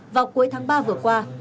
vào cuối tháng ba vừa qua